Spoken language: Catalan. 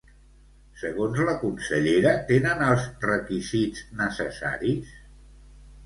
Segons la consellera tenen els requisits necessaris?